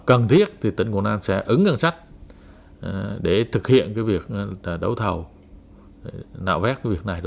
cần thiết tỉnh quảng nam sẽ ứng ngân sách để thực hiện việc đấu thầu nạo phét việc này